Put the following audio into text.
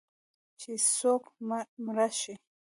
چې څوک مړ شي